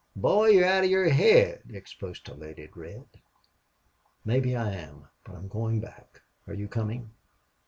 "Boy, you're oot of yur haid!" expostulated Red. "Maybe I am. But I'm going back. Are you coming?"